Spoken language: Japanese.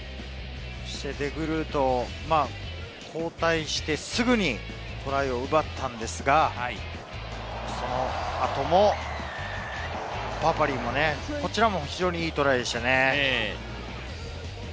デグルート、交代してすぐにトライを奪ったんですが、その後も、パパリィイもいいトライでしたね。